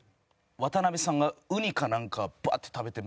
渡辺さんがウニかなんかバーッて食べて。